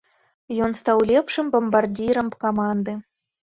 Ён стаў лепшым бамбардзірам каманды.